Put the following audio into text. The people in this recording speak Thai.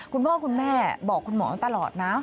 คุณพ่อคุณแม่บอกคุณหมอตลอดนะ